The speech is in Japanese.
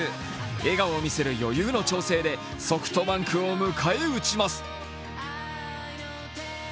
笑顔を見せる余裕の調整でソフトバンクを迎え撃ちます。